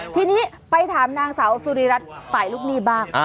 ทีนี้ไปถามนางสาวสุริรัตน์ฝ่ายลูกหนี้บ้าง